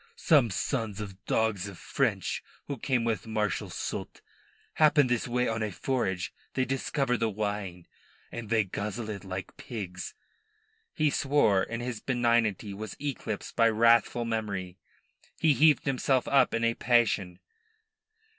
Some sons of dogs of French who came with Marshal Soult happen this way on a forage they discover the wine and they guzzle it like pigs." He swore, and his benignity was eclipsed by wrathful memory. He heaved himself up in a passion.